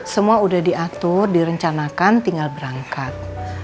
semua udah diatur direncanakan tinggal berangkat